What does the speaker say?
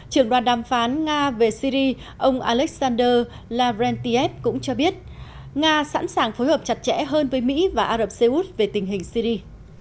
trưởng đoàn đàm phán nga về syri ông alexander lavrentiev cũng cho biết nga sẵn sàng phối hợp chặt chẽ hơn với mỹ và ả rập xê út về tình hình syri